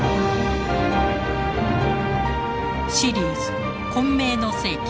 シリーズ「混迷の世紀」